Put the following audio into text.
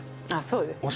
そうですね